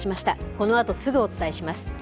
このあとすぐお伝えします。